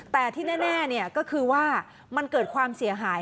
แต่ที่แน่ก็คือว่ามันเกิดความเสียหาย